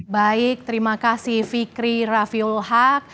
baik terima kasih fikri rafiul haq